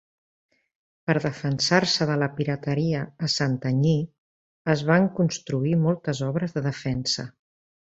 Per defensar-se de la pirateria a Santanyí es van construir moltes obres de defensa.